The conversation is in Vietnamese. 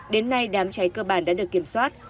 đến nay đám cháy cơ bản đã được kiểm soát